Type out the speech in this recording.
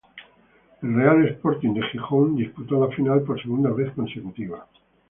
El Real Sporting de Gijón disputó la final por segunda vez consecutiva.